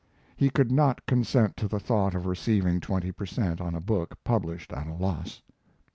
He could not consent to the thought of receiving twenty per cent. on a book published at a loss.